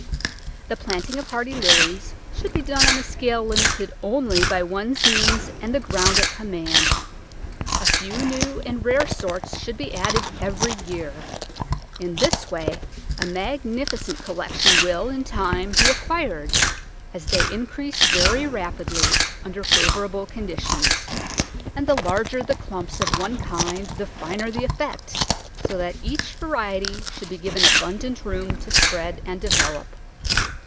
The planting of hardy Lilies should be done on a scale limited only by one's means and the ground at command. A few new and rare sorts should be added every year. In this way a magnificent collection will, in time, be acquired, as they increase very rapidly under favourable conditions, and the larger the clumps of one kind the finer the effect, so that each variety should be given abundant room to spread and develop.